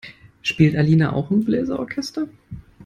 Spielt Alina auch im Bläser-Orchester?